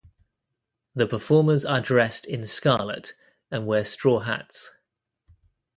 The performers are dressed in scarlet and wear straw hats.